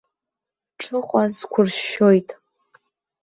Ҽыхәа зқәыршәшәоит.